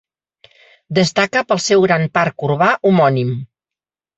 Destaca pel seu gran parc urbà homònim.